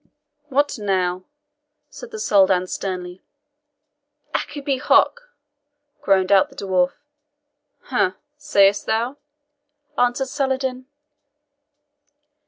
"What now?" said the Soldan sternly. "ACCIPE HOC!" groaned out the dwarf. "Ha! sayest thou?" answered Saladin.